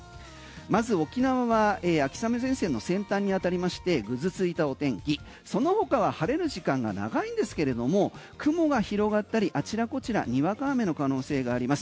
まず沖縄は秋雨前線の先端に当たりましてぐずついたお天気その他は晴れる時間が長いんですけれども雲が広がったりあちらこちらにわか雨の可能性があります。